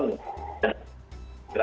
dan berhasil kita